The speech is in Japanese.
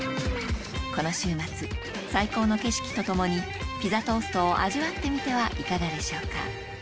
この週末最高の景色と共にピザトーストを味わってみてはいかがでしょうか？